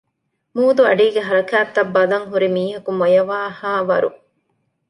މޫދުއަޑީގެ ހަރަކާތްތައް ބަލަން ހުރި މީހަކު މޮޔަވާހާވަރު